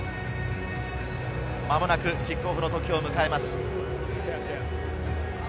まもなくキックオフのときを迎えます。